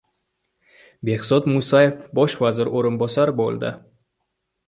Behzod Musayev bosh vazir o‘rinbosari bo‘ladi